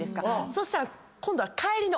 そしたら今度は。